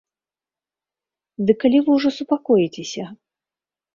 Ды калі вы ўжо супакоіцеся?